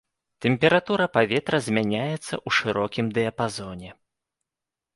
Тэмпература паветра змяняецца ў шырокім дыяпазоне.